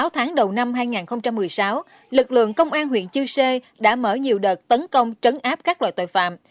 sáu tháng đầu năm hai nghìn một mươi sáu lực lượng công an huyện chư sê đã mở nhiều đợt tấn công trấn áp các loại tội phạm